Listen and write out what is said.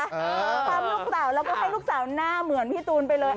ตามลูกสาวแล้วก็ให้ลูกสาวหน้าเหมือนพี่ตูนไปเลย